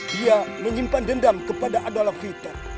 dia menyimpan dendam kepada adolaf viter